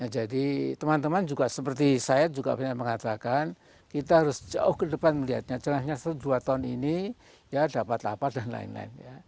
jadi teman teman juga seperti saya juga mengatakan kita harus jauh ke depan melihatnya jelasnya sejauh dua tahun ini dapat apa dan lain lain